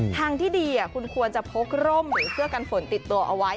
ทางที่ดีคุณควรจะพกร่มหรือเสื้อกันฝนติดตัวเอาไว้